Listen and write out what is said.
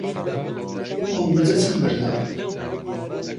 ئەو بورجە چەند بەرزە؟